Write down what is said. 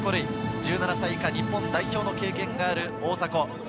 １７歳以下日本代表の経験がある大迫。